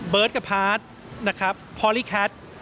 เบิร์ตกับพาร์ทนะครับพอลี่แคท